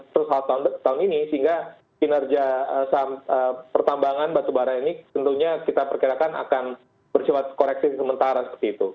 terus tahun ini sehingga kinerja pertambangan batubara ini tentunya kita perkirakan akan bersifat koreksi sementara seperti itu